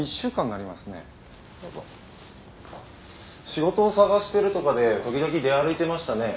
仕事を探してるとかで時々出歩いてましたね。